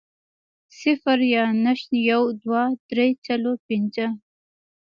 صفر يا نشت, يو, دوه, درې, څلور, پنځه